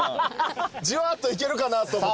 じわっといけるかなと思って。